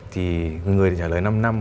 thì người trả lời năm năm